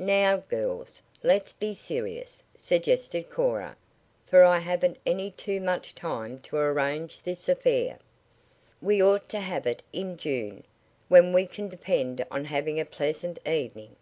"Now, girls, let's be serious," suggested Cora, "for I haven't any too much time to arrange this affair. We ought to have it in June, when we can depend on having a pleasant evening.